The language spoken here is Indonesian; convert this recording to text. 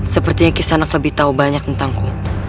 sepertinya kisanak lebih tahu banyak tentangku